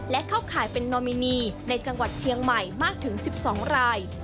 และเข้าข่ายเป็นนอมินีในจังหวัดเชียงใหม่มากถึง๑๒ราย